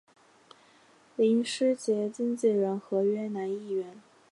林师杰经理人合约男艺员。